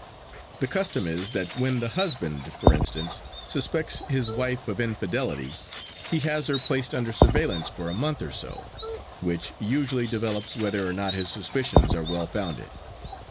The custom is that when the husband, for instance, suspects his wife of infidelity, he has her placed under surveillance for a month or so, which usually develops whether or not his suspicions are well founded.